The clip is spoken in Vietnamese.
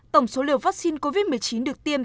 tổng số liều vaccine covid một mươi chín được tiêm